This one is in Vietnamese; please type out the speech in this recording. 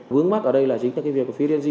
vướng mắt ở đây là chính cái việc của phía dng